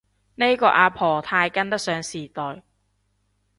呢個阿婆太跟得上時代